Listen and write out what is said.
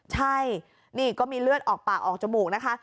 ใช่นี่ก็มีเลือดออกปากออกจมูกนะคะ